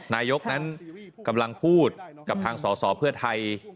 นายกนั้นกำลังพูดกับทางสอสอเพื่อไทย